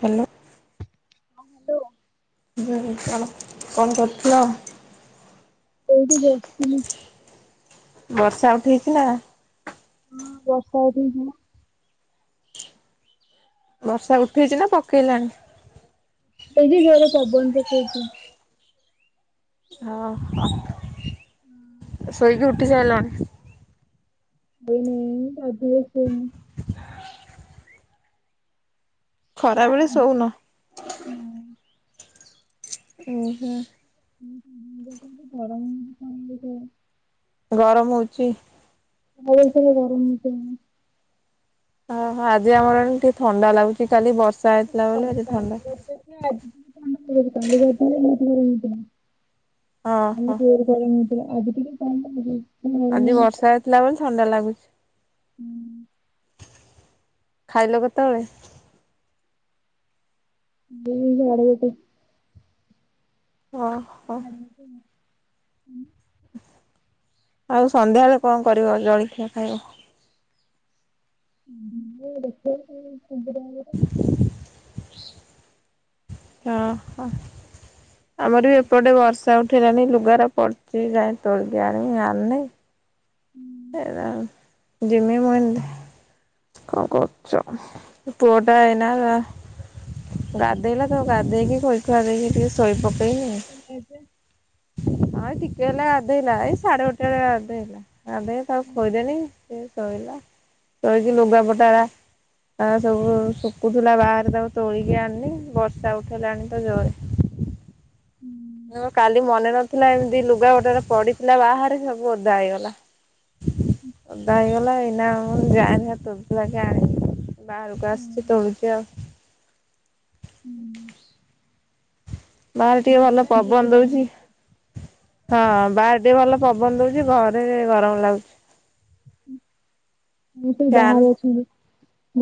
Hello. [unintelligible] ହୁଁ କଣ କଣ କରୁଥିଲ? ଏଇଠି ବସିଥିନି। ବର୍ଷା ଉଠେଇଛି ନା। ହଁ ବର୍ଷା ଉଠେଇଚିନା। ବର୍ଷା ଉଠେଇଛି ନା ପକେଇଲାଣି। ଏହି ଘରେ ପବନ ପକଉଛି। ହଁ ହ ସୋଇକି ଉଠି ସାଇଲଣି? ମୁଁ ଗାଧୁଆବେଳେ ସୁଏନି। ଖରାବେଳେ ସୋଉନ। ନା। ଉଁ ହୁଁ। [unintelligible] ଗରମ ହଉଚି ଘର ଭିତରେ ଗରମ [unintelligible] ଓହୋ ଆଜି ଆମର ହେନେ ଟିକେ ଥଣ୍ଡା ଲାଗୁଛି, କାଲି ବର୍ଷା ହେଇଥିଲା ବୋଲି ଆଜି ଥଣ୍ଡା। ସେଥିପାଇଁ ଆଜି ଟିକେ ଥଣ୍ଡା ଲାଗୁଛି, କାଲି ଗାଧୁଆବେଳେ ବହୁତ୍ ଗରମ ହେଇଥିଲା ମାନେ ଓହୋ ଜୋରେ। ହେଇନଥିଲା ଆଜି ଟିକେ କମ୍ ଲାଗୁଛି। ସାଢେ ଆଜି ଗୋଟେ। ବର୍ଷା ହେଇଥିଲା ବୋଲି ଥଣ୍ତା ଲାଗୁଛି। ଖାଇଲ କେତଳେ? ଦି [unintelligible] ଓ ହୋ। [unintelligible] ଆଉ ସନ୍ଧ୍ୟାବେଳେ କଣ କରିବ ଜଳଖିଆ ଖାଇବ? ଏଇ ଦେଖିଆ [unintelligible] ହଁ ହଁ ଆମର ବି ଏପଟେ ବର୍ଷା ଉ ଉଠେଇଲାଣି ଲୁଗାରେ ପଡ଼ିଛି ଯାଏଁ ତୋଳିକି ଆଣିମି ଆଣିନେଇଁ। ହୁଁ ଏରା ଯିମି ମୁଁ କଁ କରୁଚ ପୁଅ ଟା ଏଇନା ଗାଧେଇଲା ତ ଗାଧେଇକି ଖୋଇ ଖୁଆ ଦେଇକି ଟିକେ ସୋଇ ପକେଇନି। ଏବେ ହଁ ଏଇ ଟିକେ ହେଲା ଗାଧେଇଲା ଏଇ ସାଢ଼େଗୋଟେ ବେଳେ ଗାଧେଇଲା ଗାଧେଇକି ତାକୁ ଆମେ ଖୋଇଦେନି। ସେ ଶୋଇଲା ଶୋଇକି ଲୁଗା ପଟା ରା ତା ସବୁ ସୁକୁଥୁଲା ବାହାରେ ତାକୁ ତୋଳିକି ଆଣିନି ବର୍ଷା ଉଠେଇଲାଣି ତ ଜୋରେ। ହୁଁ। କାଲି ମନେ ନଥିଲା ଏମିତି ଲୁଗା ଗୋଟେ ଟେ ପଡ଼ିଥିଲା ବାହାରେ ସେ ସବୁ ଓଦା ହେଇଗଲା। ଓଦା ହେଇଗଲା ଏଇନା ମୁଁ ଯାଏଁ ଦେଖା ତୋଳି ତୁଳା କି ଆଣେ। ବାହାରକୁ ଆସିଛି ତୋଳୁଛି ଆଉ। ହୁଁ। ବାହାରେ ଟିକେ ଭଲ ପଟେ ଜୋରେ ପବନ ଦୋଉଚି। ପକଉଛି। ହଁ ବାହାରେ ଟିକେ ଭଲ ପବନ ଦଉଛି ଘରେ ଗରମ ଲାଗୁଛି। ସେ ଫ୍ୟାନ୍ ବାହାରେ ଅଛନ୍ତି,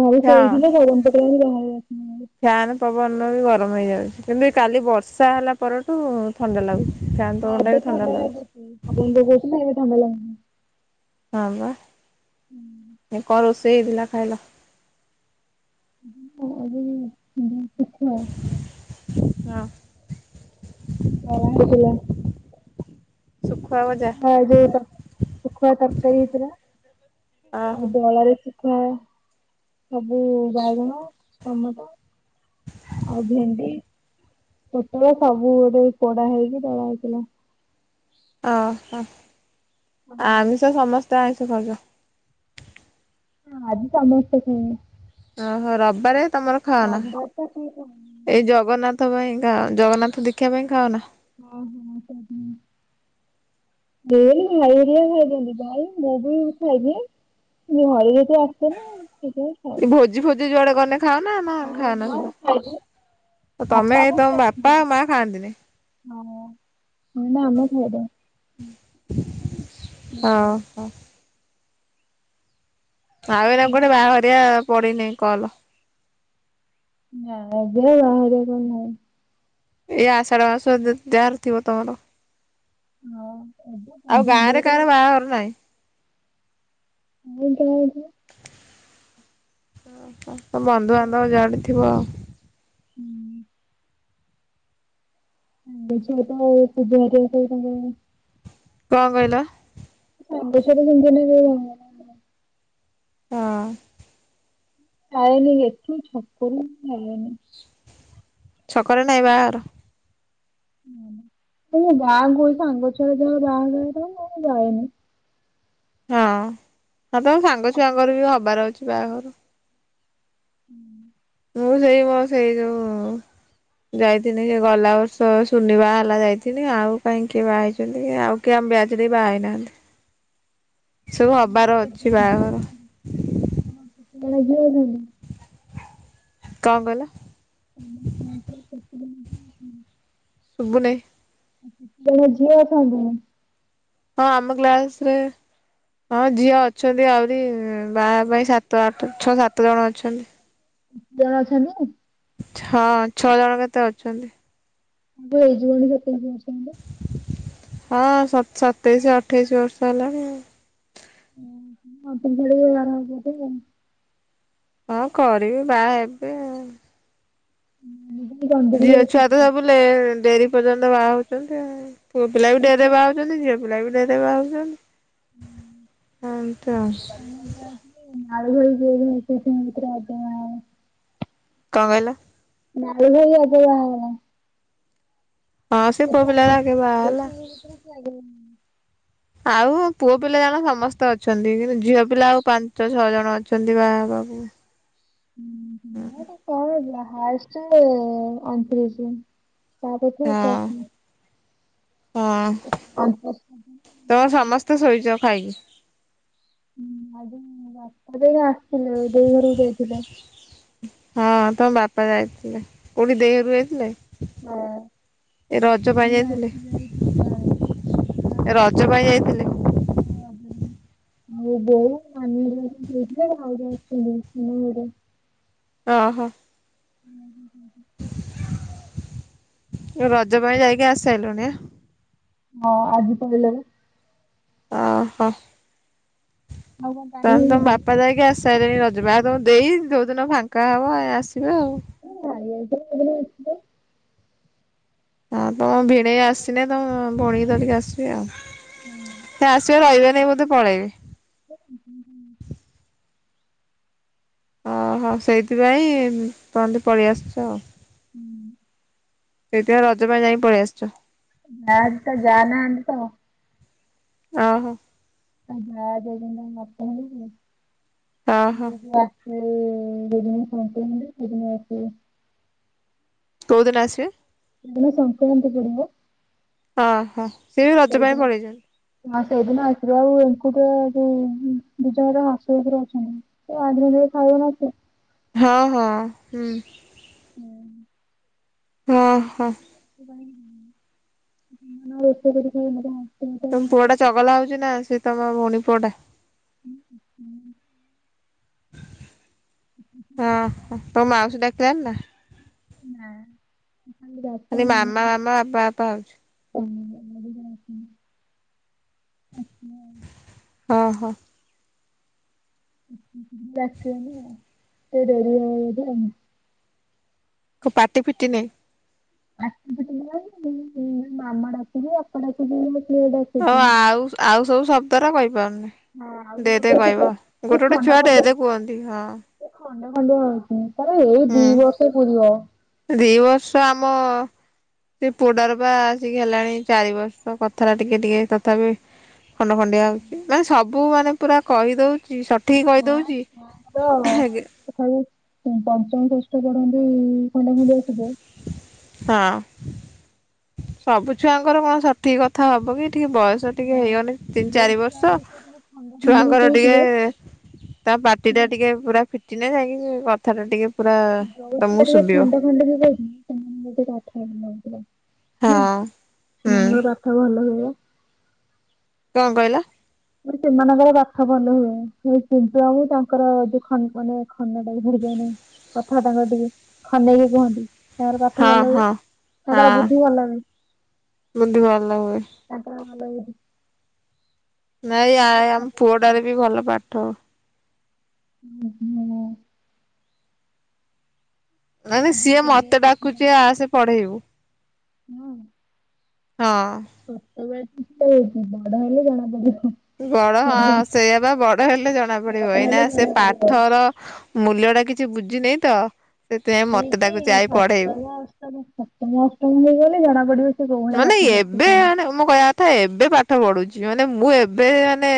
ଘରେ ଶୋଇଥିଲେ ଗରମ ପକେଇଲାରୁ ବାହାରେ [unintelligible] ଫ୍ୟାନ ପବନ ରା ବି ଗରମ ହେଇ ଯାଉଛି, କିନ୍ତୁ ଏଇ କାଲି ବର୍ଷା ହେଲା ପରଠୁ ଥଣ୍ତା ଲାଗୁ ଫ୍ୟାନ ପବନ ଭାରି ଟା ଏବେ ବି ଥଣ୍ତା ଥଣ୍ଡା ଲାଗୁଛି। [unintelligible] ହଁ ବା କଣ ରୋଷେଇ ହେଇଥିଲା ଖାଇଲ? [unintelligible] ହଁ। ଦଳା ହେଇଥିଲା। ଶୁଖୁଆ ଭଜା ଆଉ ଯୋଉ ଶୁଖୁଆ ତରକାରୀ ହେଇଥିଲା, ଓହୋ ଆଉ ଦଳା ରେ କୁଆ ସବୁ ବାଇଗଣ, ଟମାଟ ଆଉ ଭେଣ୍ଡି, ପୋଟଳ ସବୁ ଯୋଉ ପୋଡା ହେଇକି ଦଳା ହେଇଥିଲା। ଓ ହୋ ଆମିଷ ସମସ୍ତେ ଆଇଁଷ ଖାଉଚ। ହଁ ଆଜି ସମସ୍ତେ ଖଇବେ। ଓହୋ ରବିବାରେ ତମର ଖାଅନା ରବିବାରେତ ସିଏ ଖାଇ ଏଇ ଜଗନ୍ନାଥ ପାଇଁ ଖାଅ ଜଗନ୍ନାଥ ଦିକ୍ଷା ପାଇଁ ଖାଅନା। ହଁ ହଁ [unintelligible] [unintelligible] ଭାଇ ହେରିଆ ଖାଇଦିଅନ୍ତି ଭାଇ ମୁଁ ବି ଖାଇଦିଏ। ଯୋଉ ଘରେ ଯଦି ଆସୁନି ସେ ଭୋଜି ଫୋଜି ଯୁଆଡେ ଗନେ। ଖାଅନା ନା ବାପା ଖାଅ ନା ସୁଦୁ ତମେ ବୋଉ ତମ ଖାଇଛନ୍ତି। ବାପା ଆଉ ମା ଖାଆନ୍ତିନି। ହଁ ନା ଆମେ ଖାଇଦୋଉ। ହଁ ହଁ। ଆଉ ଏଇନା କୁଆଡେ ବାହାଘରିଆ ପଡିିନି କଲ। ନା ଏବେ ବାହାଘରିଆ କାଇଁ ନାହିଁ। ଏଇ ଆଷାଢ଼ ମାଷ ଯାହାର ଥିବ ତମର। ହଁ ଏବେ [unintelligible] ଆମର ନାହିଁ। [unintelligible] ଓ ହୋ ବନ୍ଧୁବାନ୍ଧବ ଜାଣି ଥିବ ଆଉ। ହୁଁ। ଛୁଆ ତ [unintelligible] କଁ କହିଲ। [unintelligible] ହଁ। ଆଏନି ଏଠି ଛକରୁ ଯାଏନି। ଛକରେ ନାଇ ବାହାଘର। ଗାଁକୁ ସାଙ୍ଗ ଛୁଆର [unintelligible] ଯାଏନି। ହଁ ହଁ ତମ ସାଙ୍ଗ ଛୁଆଙ୍କର ବି ହବାର ଅଛି ବାହାଘର। ହୁଁ। ମୁଁ ସେଇ ମୋ ସେଇ ଯୋଉ ଯାଇଥିନି ସେ ଗଲା ବର୍ଷ ଶୁନି ବାହା ହେଲା ଯାଇଥିନି ଆଉ କାଇଁ କିଏ ବାହା ହେଇଛନ୍ତି କି ଆଉ କିଏ ଆମ ବ୍ୟାଚରେ ହିଁ ବାହା ହେଇନାହାନ୍ତି ସବୁ ଜଣ ହବାର ଅଛି ଝିଅ ବାହାଘର। ଅଛନ୍ତି? [unintelligible] କଁ କଇଲ। [unintelligible] ଶୁବୁନେଇ। ମୁଁ କଇଲି ଝିଅ ଅଛନ୍ତି ନା। ହଁ ଆମ କ୍ଳାସରେ ହଁ ଝିଅ ଅଛନ୍ତି ଆହୁରି ବାହା ପାଇଁ ସାତ ଆଠ ଛଅ ସାତ ଜଣ ଅଛନ୍ତି। ଜଣ ଅଛନ୍ତି। ହଁ ଛଅ ଜଣ କେତେ ଅଛନ୍ତି। ସବୁ ହେଇଯିବଣି [unintelligible] ହଁ ସ ସତେଇଶ ଅଠେଇଶି ବର୍ଷ ହେଲାଣି ଆଉ। ଉଁ ହୁଁ [unintelligible] ହଁ କରିବି ବାହା ହେବେ। ଆଉ। ଝିଅ ଛୁଆ ତ ସବୁ ଲେ ଡେରି ପର୍ଯ୍ୟନ୍ତ ବାହା ହଉଛନ୍ତି ଆଉ। ପୁଅ ପିଲା ବି ଡେରି ବାହା ହଉଛନ୍ତି ଝିଅ ପିଲା ବି ଡେରିରେ ବାହା ହଉଛନ୍ତି। ହ ତ। ମୁଁ ଯାଇଥିଲି ନାଳୁ ଭାଇ [unintelligible] କଁ କହିଲ? ନାଲୁ ଭାଇ ଆଗେ ବାହା ହେଇଗଲାଣି। ହଁ ସେ ପୁଅ ପିଲା ଗୋରା ଆଗେ ବାହା ହେଲା। [inaudible] ଲାଗିଲା। ଆଉ ପୁଅ ପିଲା ଜଣ ସମସ୍ତେ ଅଛନ୍ତି କିନ୍ତୁ ଝିଅ ପିଲା ଆଉ ପାଞ୍ଚ ଛଅ ଜଣ ଅଛନ୍ତି ବାହା ବାବକୁ। [unintelligible] କଣଷ୍ଟ ଟା ଅଣତିରିଶ ତାପଛକୁ ହଁ [inaudible] ହଁ ବାପା ତମ ସମସ୍ତେ ଶୋଇଛ ଖାଇକି? ଆଜି ରାସ୍ତା ଦେଇ ଆସିଥିଲେ ଦେଇ ଘରକୁ ଯାଇଥିଲେ। ହଁ ତମ ବାପା ଯାଇଥିଲେ କୋଉଠି ଦେଇ ଘରକୁ ଯାଇଥିଲେ? ହଁ। ଏ ରଜ ପାଇଁ ଏଇ ଯାଇଥିଲେ ଆସି ଯାଇ ରଜ ପାଇଁ [unintelligible] ଯାଇଥିଲେ [unintelligible] ଆଉ ବୋଉ ନାନୀ ହେରିକା ଯାଇଥିଲେ [unintelligible] ଓହୋ। ହୁଁ ହୁଁ ହୁଁ ହୁଁ। ରଜ ପାଇଁ ଯାଇକି ଆସି ସାରିଲୁଣି ଆ? ହଁ ଆଜି [inaudible] ଓହୋ ଆଉ କଣ ଟାଇମ ତାହେଲେ ତମ ହେଇନି ବାପା ଯାଇକି ଆସ ସାଇଲେଣି ରଜ ପାଇଁ ଆଉ ତମ ଦେଇ ଯୋଉଦିନ ଫାଙ୍କା ହେବେ ଆସିବେ ଆଉ ମୁଁ ଜାଣିନି [unintelligible] ହଁ ତମ ଭିଣେଇ ଆସିନେ ତମ ଭଉଣୀ ଧରିକି ଆସିବେ ଆଉ। ହୁଁ। ସେ ଆସିବେ ରହିବେ ନାଇଁ ବୋଧେ ପଳେଇବେ? [unintelligible] ଓହୋ ସେଇଥିପାଇଁ ତହନ୍ତ ପଳେଇ ଆସିଛ ଆଉ ହୁଁ। ସେଥିପାଇଁ ରଜ ପାଇଁ ଯାଇକି ପଳେଇ ଆସିଛ। ନା ତା ଯା ନାହାନ୍ତି ତ। ଓହୋ। ତା ଯା ଯାଇଛନ୍ତି ତାଙ୍କ ବାପା ଘରକୁ ଓହୋ ତ [inaudible] ସେ ଯୋଦିନ ଶକ୍ରାନ୍ତି ସେଦିନ ଆସିବେ। କୋଉ ଦିନ ଆସିବେ? ଯୋଉଁ ସଂକ୍ରାନ୍ତି ପଡିବ। ଓହୋ ସିଏ ବି ରଜ ପାଇଁ ସେଇଦିନ ପଳେଇଛନ୍ତି। ହଁ ସେଇଦିନ ଆଶ [inaudible] ଅଛନ୍ତି। [inaudible] ହଁ ହଁ ହୁଁ। ହୁଁ। ହଁ ହଁ। [inaudible] ତମ ପୁଅ ଟା ଚଗଲା ହଉଛି ନା ସିଏ ତମ ଭଉଣୀ ପୁଅ ଟା? ହଁ ହୁଁ। ହଁ ମାଉସୀ ଡାକିଲାଣି ନା? ନାଁ। [unintelligible] ଖାଲି ମାମା ମାମା ବାପା ବାପା ହଉଛି। [unintelligible] ଓଁ ହୋ। [unintelligible] କ ପାଟି ଫିଟିନି। ଆସ [inaudible] ମାମା ଡାକୁଚି ଆପଶ [unintelligible] ହି ଆଉ ଶ-ଆଉ ସବୁ ଶବ୍ଦ ରା କହିପାରୁନି। ଡେରିରେ କହିବ, ଗୋଟେ ଗୋଟେ ଛୁଆ ଡେରିରେ କୁହନ୍ତି। ହଁ। ଖଣ୍ଡେ ଖଣ୍ଡେ ହଉଛି ତାର ଏଇ ଦି ହୁଁ ବର୍ଷ ପୁରିବ। ଦି ବର୍ଷ ଆମ ସେ ପୁଅଟା ର ବା ଆସିକି ହେଲାଣି ଚାରି ବର୍ଷ, କଥା ଟା ଟିକେ ଟିକେ ତଥାପି ଖଣ୍ଡ ଖଣ୍ଡିଆ ହଉଛି, ମାନେ ସବୁ ମାନେ ପୁରା କହିଦଉଚି। ସ ଠିକ୍ ନା କହିଦଉଚି, ଛୁଆଙ୍କର ଆଜ୍ଞା। ତଥାପି [unintelligible] ପଞ୍ଚମ ଷଷ୍ଠ ପଢନ୍ତି ଖଣ୍ଡ ଖଣ୍ଡିଆ ଆସିବ। ହଁ। ସବୁ ଛୁଆଙ୍କର କଣ ସଠିକ୍ କଥା ହବ କି, ଟିକେ ବୟସ ସ ଟିକେ ହଁ ହେଇଗନେ ତିନି ଯୋଉ ଚାରି ଛୁଆ ବର୍ଷ। ଦେଖିବ ଟିକେ ଖଣ୍ଡ ଖଣ୍ଡିକି ଛୁଆଙ୍କର କହୁଥିବେ ଟିକେ ତା ପାଟି ଟା ଟିକେ ପୁରା ଫିଟିନେ ଯାଇକି କଥା ଟା ଟିକେ ପୁରା ଯୋଉ ଛୁଆ ତୋମକୁ ଶୁବିବ। [inaudible] ନା ହଁ ସେମାନଙ୍କର ହୁଁ [unintelligible] କଣ କହିଲ? [unintelligible] ସେମାନଙ୍କର ପାଠ ଭଲ ହୁଏ, ସେ [unintelligible] ହୁଏ ତାଙ୍କର ଯୋଉ ଖନ୍ ମାନେ ଖନା ଟାଇପ୍ [unintelligible] ଯାଏନା। କଥା ତାଙ୍କର ଟିକେ ଖନେଇକି କୁହନ୍ତି। ତାଙ୍କର ପାଠ ହଁ ଭଲ ହୁଏ, ହଁ ତାଙ୍କର ହଁ ବୁଦ୍ଧି ଭଲ ବି। ବୁଦ୍ଧି ଭଲ ହୁଏ। ତାଙ୍କର ଭଲ ବୁଦ୍ଧି। ନାଇଁ ଆ, ଆମ ପୁଅଟାର ବି ଭଲ ପାଠ। [unintelligible] ନାଇଁ ନାଇଁ ସିଏ ମୋତେ ଡାକୁଚି ଆସେ ପଢେଇବୁ। ହଁ। ହଁ। ଛୋଟବେଳେ [inaudible] ତ ଉଁ, ବଡ ହେଲେ ଜଣା ପଡିବ। ବଡ ହଁ ସେଇଆ ବା ବଡ ହେଲେ ଜଣା ପଡିବ। ଏଇନା ହେଲେ ସେ ଜଣା ପଡିବ। ପାଠର ମୂଲ୍ୟଟା କିଛି ବୁଝିନାଇଁ ତ ସେଥିପାଇଁ ମୋତେ ଠିକି ଡାକୁଚି ଆଇ ସପ୍ତମ ପଢ଼େଇବୁ। [unintelligible] ସପ୍ତମ ଅଷ୍ଟମ କୁ ପୁଅ ଗଲେ ଜଣା ପଡିବ ସେ କୋଉ ଭଳିଆ ମାନେ ପାଠ ପଢୁଛିି ଏବେ କଣ। ମାନେ ମୋ କହିବା କଥା ଏବେ ପାଠ ପଢୁଛି, ମାନେ ମୁଁ ଏବେ ମାନେ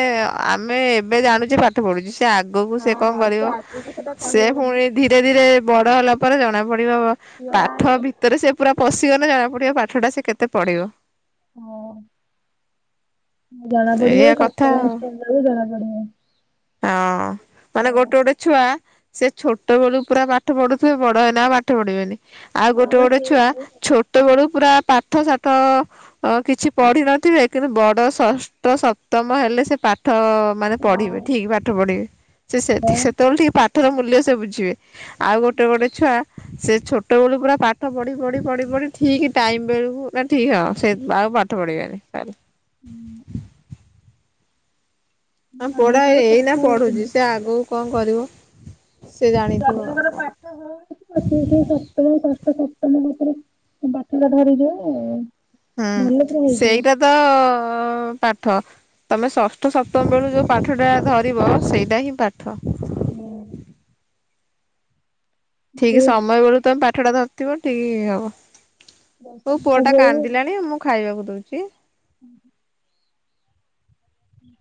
ଆମେ ଏବେ ଜାଣୁଚେ ପା ଠ ପଢୁଛି ସେ ଆ ଗକୁ ସେ କଣ ହଁ କରିବ, ଆଗକୁ ସେଟା ସେ କହିହବନି ପୁଣି ଧୀରେ ଧୀରେ ବଡ ହେଲା ପରେ ଜଣା ପଡିବ। ବ ମାନେ ପାଠ ଭିତରେ ସେ ପୁରା ପଶିଗନେ ଜଣା ପଡିବ ପାଠ ଟା ସେ କେତେ ପଢିବ। ହଁ ଜଣା ପଡିବ, ଏଇଆ କଥା ସପ୍ତମ ଆଉ। ଅଷ୍ଟମ ବେଳୁ ଜଣା ପଡିବ। ହଁ ମାନେ ଗୋଟେ ଗୋଟେ ଛୁଆ ସେ ଛୋଟବେଳୁ ପୁରା ପାଠ ପଢ଼ୁଥିବେ, ବଡ ହେନେ ଆଉ ପାଠ ପଢ଼ିବେନି। ଆଉ ଗୋଟେ ଗୋଟେ ଦାଦାଙ୍କର ଛୁଆ ଛୋଟ ବେଳୁ ପୁରା ପାଠ ସାଠ ଓ କିଛି ପଢିିନଥିବେ, କିନ୍ତୁ ବଡ ଷଷ୍ଠ ସପ୍ତମ ହେଲେ ସେ ପାଠ ମାନେ ପଢ଼ିବେ ଠିକ୍ ପାଠ ପଢ଼ିବେ। ସେ ସେଥି ସେତେବେଳୁ ଠିକ୍ ପାଠର ମୂଲ୍ୟ ସେ ବୁଝିବେ। ଆଉ ଗୋଟେ ଗୋଟେ ଛୁଆ ସେ ଛୋଟ ବେଳୁ ପୁରା ପାଠ ପଢି ପଢି ପଢି ପଢି ଠିକ ଟାଇମ୍ ବେଳକୁ, ନା ଠିକ ହଁ ସେ ଆଉ ପା ଠ ପଢିବେନି, [unintelligible] ହୁଁ। ଆମ ପୁଅଟା ଏ ଏଇନା ପାଠ ହଉନି ପଢୁଚି, ସେ ଆଗକୁ କଣ କରିବ। ସେ ଯଦି ଜାଣିଥିବ ଆଉ ତାଙ୍କର କଣ। ପାଠ ହଉ [inaudible] ଯେତେବେଳେ ଷଷ୍ଠ ସପ୍ତମ ଭିତରେ ପାଠ ଟା ଧରିଯିବ ନା [unintelligible] ହଁ ସେଇଟା ତ ପାଠ ତମେ ଷଷ୍ଠ ସପ୍ତମ ବେଳୁ ଯୋଉ ପାଠ ଟା ଧରିବ ସେଇଟା ହିଁ ପାଠ। ହୁଁ। ଠିକ ହୁଁ। ସମୟ ବେଳୁ ତମେ ପାଠଟା ଧରିଥିବ ଠିକ୍ ହବ। ମୋ ଦଶମ ପୁଅଟା କାନ୍ଦିଲାଣି ମୁଁ ଖାଇବାକୁ ଦଉଛି। ହୁଁ ହୁଁ